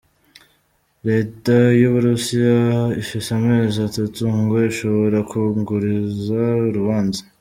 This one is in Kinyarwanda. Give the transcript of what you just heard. Reta y'Uburusiya ifise amezi atatu ngo ishobore kwunguruza urubanza.